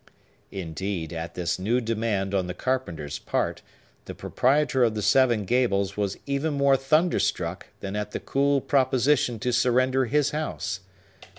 Indeed, at this new demand on the carpenter's part, the proprietor of the Seven Gables was even more thunder struck than at the cool proposition to surrender his house.